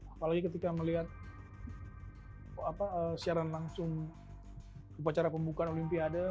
apalagi ketika melihat siaran langsung upacara pembukaan olimpiade